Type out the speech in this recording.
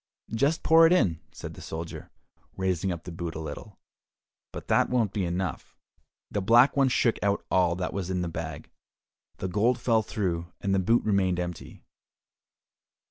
"Just pour it in," said the soldier, raising up the boot a little, "but that won't be enough." The Black One shook out all that was in the bag; the gold fell through, and the boot remained empty.